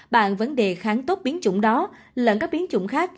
bạn vấn đề kháng tốt biến chủng đó lẫn các biến chủng khác